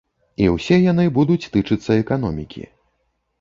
І ўсе яны будуць тычыцца эканомікі.